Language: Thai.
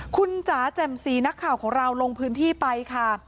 คุณจ๋าแจ่มสีนักข่าวของเราลงพื้นที่ไปค่ะ